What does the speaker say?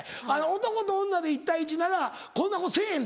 男と女で１対１ならこんなことせぇへんで。